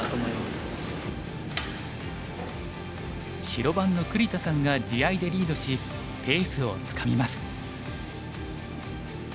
白番の栗田さんが地合いでリードしペースをつかみます。